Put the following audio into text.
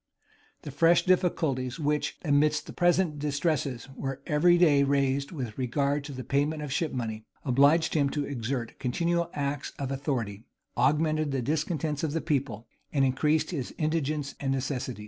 The fresh difficulties which, amidst the present distresses, were every day raised with regard to the payment of ship money, obliged him to exert continual acts of authority, augmented the discontents of the people, and increased his indigence and necessities.